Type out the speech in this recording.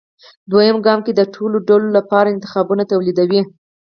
دویم ګام کې د ټولو ډلو لپاره انتخابونه توليدوي.